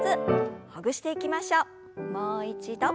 もう一度。